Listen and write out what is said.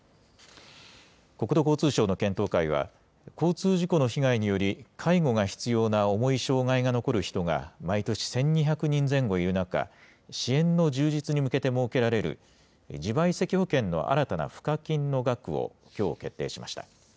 国土交通省の検討会は、交通事故の被害により、介護が必要な重い障害が残る人が毎年１２００人前後いる中、支援の充実に向けて設けられる自賠責保険の新たな賦課金の額をきょう決定しました。